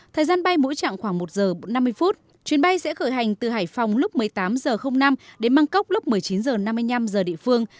thời gian bay mỗi chặng khoảng một giờ năm mươi phút chuyến bay sẽ khởi hành từ hải phòng lúc một mươi tám h năm đến bangkok lúc một mươi chín h năm mươi năm giờ địa phương